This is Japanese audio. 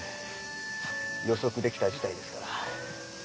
予測できた事態ですから。